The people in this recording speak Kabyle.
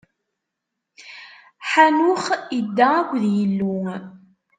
Ḥanux idda akked Yillu.